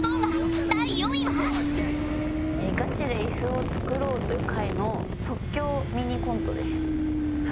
ガチで椅子を作ろうという回の即興ミニコントです。